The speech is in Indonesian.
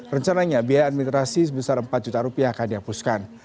rencananya biaya administrasi sebesar empat juta rupiah akan dihapuskan